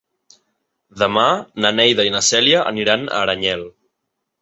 Demà na Neida i na Cèlia aniran a Aranyel.